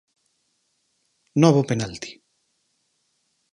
Novo penalti.